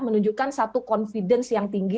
menunjukkan satu confidence yang tinggi